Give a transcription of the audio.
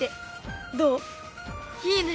いいね！